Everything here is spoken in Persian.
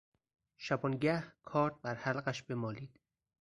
شبانگه کارد بر حلقش بمالید...